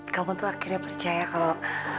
kamu tuh akhirnya percaya kalau